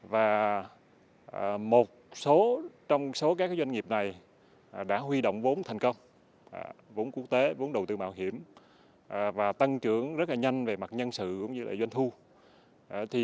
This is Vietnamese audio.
và một số trong số các doanh nghiệp này đã huy động vốn thành công vốn quốc tế vốn đầu tư mạo hiểm và tăng trưởng rất là nhanh về mặt nhân sự cũng như doanh thu